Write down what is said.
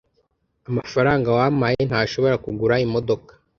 amafaranga wampaye ntashobora kugura imodoka